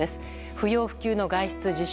不要不急の外出自粛。